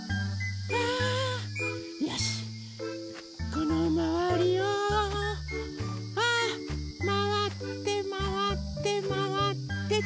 このまわりをまわってまわってまわってと。